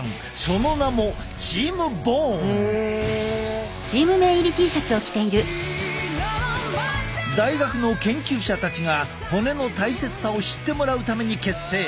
その名も大学の研究者たちが骨の大切さを知ってもらうために結成。